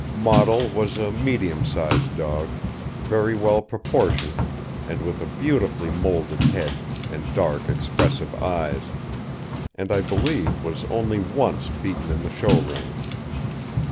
Model was a medium sized dog, very well proportioned, and with a beautifully moulded head and dark, expressive eyes, and I believe was only once beaten in the show ring.